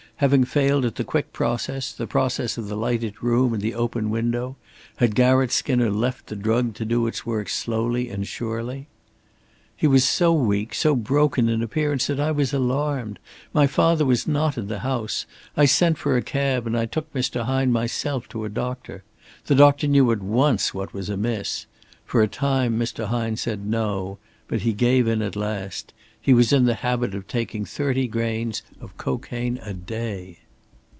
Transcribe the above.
Having failed at the quick process, the process of the lighted room and the open window, had Garratt Skinner left the drug to do its work slowly and surely? "He was so weak, so broken in appearance, that I was alarmed. My father was not in the house. I sent for a cab and I took Mr. Hine myself to a doctor. The doctor knew at once what was amiss. For a time Mr. Hine said 'No,' but he gave in at the last. He was in the habit of taking thirty grains of cocaine a day."